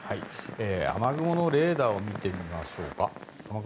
雨雲のレーダーを見てみましょう。